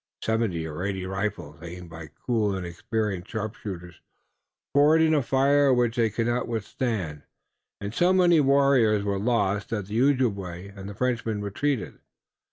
Seventy or eighty rifles, aimed by cool and experienced sharpshooters, poured in a fire which they could not withstand, and so many warriors were lost that the Ojibway and the Frenchman retreated.